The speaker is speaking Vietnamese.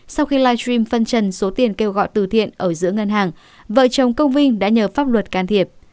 sau khi live stream phân trần số tiền kêu gọi từ thiện ở giữa ngân hàng vợ chồng công vinh đã nhờ pháp luật can thiệp